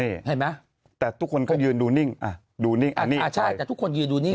นี่เห็นไหมแต่ทุกคนก็ยืนดูนิ่งอ่ะดูนิ่งอันนี้อ่าใช่แต่ทุกคนยืนดูนิ่ง